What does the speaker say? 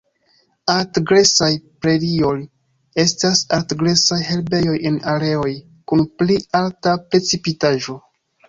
Alt-gresaj prerioj estas alt-gresaj herbejoj en areoj kun pli alta precipitaĵo.